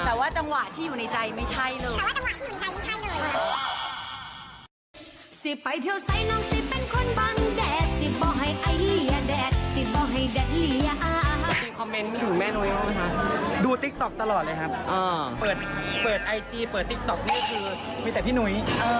แต่ว่าจังหวะที่อยู่ในใจไม่ใช่เลย